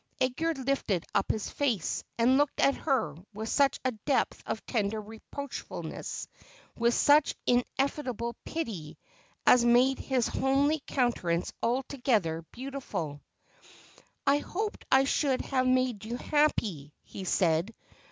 Edgar bf ted up his face, and looked at her, with such a depth of tender reproachfulness, with such ineffable pity as made his homely countenance altogether beautiful. ' I hoped I should have made you happy,' he said.